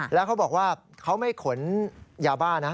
แล้วเขาบอกว่าเขาไม่ขนยาบ้านะ